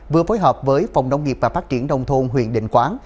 vừa phối hợp với phòng nông nghiệp và phát triển đông thôn huyện định quán